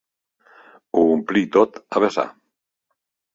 Ho omplí tot a vessar.